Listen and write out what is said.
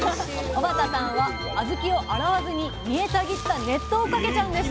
小幡さんは小豆を洗わずに煮えたぎった熱湯をかけちゃうんです！